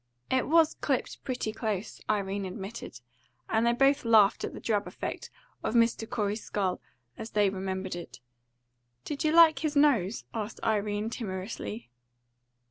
"It WAS clipped pretty close," Irene admitted; and they both laughed at the drab effect of Mr. Corey's skull, as they remembered it. "Did you like his nose?" asked Irene timorously.